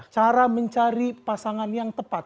cara mencari pasangan yang tepat